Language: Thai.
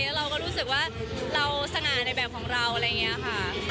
เราก็รู้สึกว่าเราสง่าในแบบของเราอะไรอย่างนี้ค่ะ